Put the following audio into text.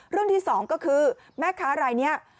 เรื่องที่สองก็คือแม่ค้ารายนี้